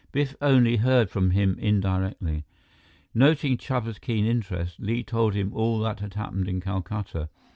"Biff only heard from him indirectly." Noting Chuba's keen interest, Li told him all that had happened in Calcutta.